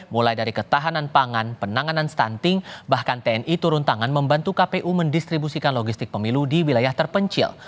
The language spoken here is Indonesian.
mulai dari ketahanan pangan penanganan stunting bahkan tni turun tangan membantu kpu mendistribusikan logistik pemilu di wilayah terpencil